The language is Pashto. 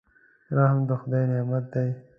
رحم د خدای نعمت دی.